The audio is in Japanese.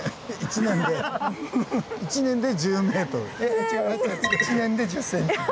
１年で１０ｃｍで。